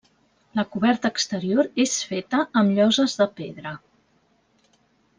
La coberta exterior és feta amb lloses de pedra.